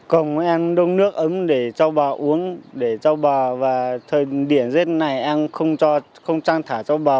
còn em đông nước ấm để châu bò uống để châu bò và thời điển rét này em không trang thả châu bò